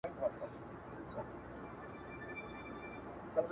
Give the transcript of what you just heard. دلته بله محکمه وي فیصلې وي,